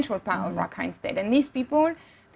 berapa banyak yang meninggal di area itu